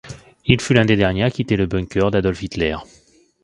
Il fut l'un des derniers à quitter le bunker d'Adolf Hitler.